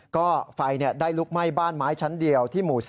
ก็ไฟได้ลุกไหม้บ้านไม้ชั้นเดียวที่หมู่๔